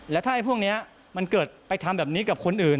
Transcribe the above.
แล้วถ้าพวกนี้มันเกิดไปทำแบบนี้กับคนอื่น